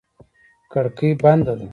کړکۍ بنده ده.